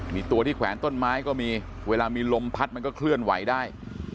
มีตัวที่แขวนต้นไม้ก็มีเวลามีลมพัดมันก็เคลื่อนไหวได้